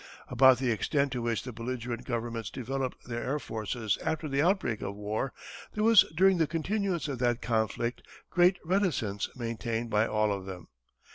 About the extent to which the belligerent governments developed their air forces after the outbreak of war there was during the continuance of that conflict great reticence maintained by all of them.